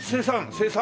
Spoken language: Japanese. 生産？